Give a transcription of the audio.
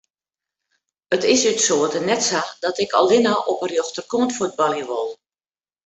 It is út soarte net sa dat ik allinne op de rjochterkant fuotbalje wol.